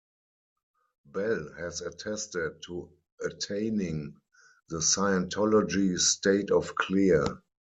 Bell has attested to attaining the Scientology state of Clear.